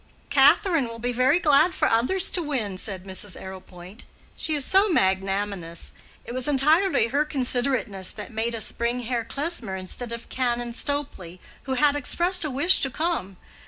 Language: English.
"Catherine will be very glad for others to win," said Mrs. Arrowpoint, "she is so magnanimous. It was entirely her considerateness that made us bring Herr Klesmer instead of Canon Stopley, who had expressed a wish to come.